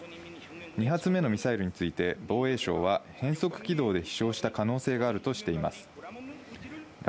２発目のミサイルについて防衛省は変則軌道で飛翔した可能性があるとしています。